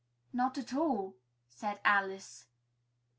"Not at all," said Alice.